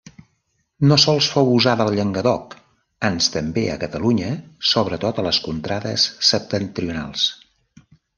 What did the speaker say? No sols fou usada al Llenguadoc, ans també a Catalunya, sobretot a les contrades septentrionals.